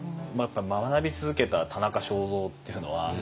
学び続けた田中正造っていうのはすごいし。